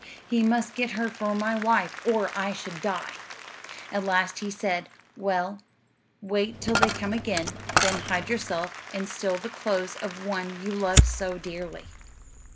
He must get her for my wife, or I should die. At last he said, "Well, wait till they come again, then hide yourself and steal the clothes of the one you love so dearly."